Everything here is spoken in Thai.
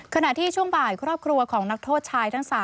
ขณะที่ช่วงบ่ายครอบครัวของนักโทษชายทั้ง๓